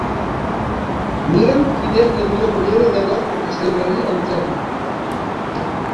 Mira'm quina és la millor manera d'anar a Castellgalí amb tren.